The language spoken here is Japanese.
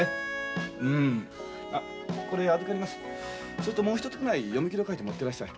それともう一つぐらい読み切りを描いて持ってらっしゃい。